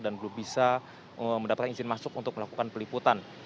dan belum bisa mendapatkan izin masuk untuk melakukan peliputan